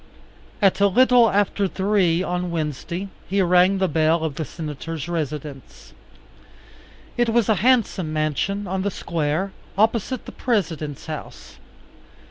At a little after three on Wednesday he rang the bell of the Senator's residence. It was a handsome mansion on the Square opposite the President's house.